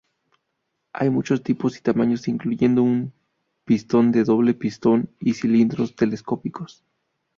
Hay muchos tipos y tamaños, incluyendo un pistón de doble pistón y cilindros telescópicos.